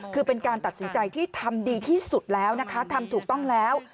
คือเป็นการตัดสินใจที่ทำดีที่สุดแล้วนะคะทำถูกต้องแล้ว